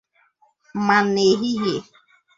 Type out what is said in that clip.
Mana n'ehihie